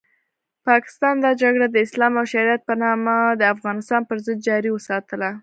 پاکستان دا جګړه د اسلام او شریعت په نامه د افغانستان پرضد جاري وساتله.